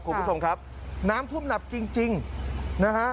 คุณผู้ชมครับน้ำท่วมหนักจริงจริงนะฮะ